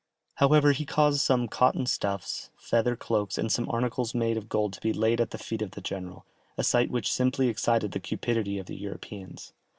However, he caused some cotton stuffs, feather cloaks, and some articles made of gold to be laid at the feet of the general, a sight which simply excited the cupidity of the Europeans.